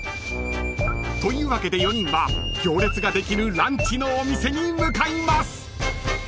［というわけで４人は行列ができるランチのお店に向かいます］